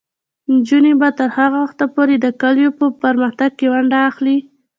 نجونې به تر هغه وخته پورې د کلي په پرمختګ کې ونډه اخلي.